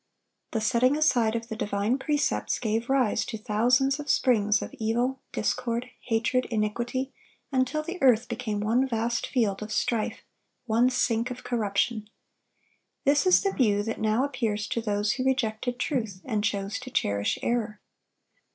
The setting aside of the divine precepts gave rise to thousands of springs of evil, discord, hatred, iniquity, until the earth became one vast field of strife, one sink of corruption. This is the view that now appears to those who rejected truth and chose to cherish error.